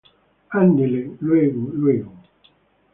andele, luego, luego.